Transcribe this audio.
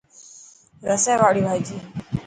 رسي واڙي ڀاڄي.